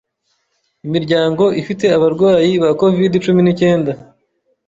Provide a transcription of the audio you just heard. Imiryango ifite abarwayi ba Covid-cumi ni cyenda